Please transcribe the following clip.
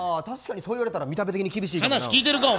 確かにそういわれたら見た目的に厳しいからな。